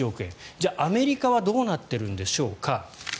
じゃあ、アメリカはどうなってるんでしょうか。